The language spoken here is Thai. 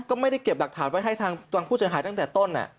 ก็ไม่ได้เก็บหลักฐานไว้ให้ทางผู้เสียหายตั้งแต่ต้น